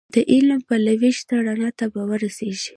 د علم پلوی شه رڼا ته به ورسېږې